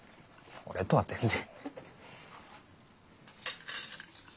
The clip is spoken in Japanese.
俺とは全然。